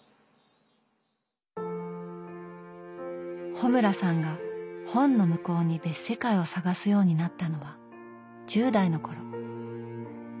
穂村さんが本の向こうに別世界を探すようになったのは１０代の頃。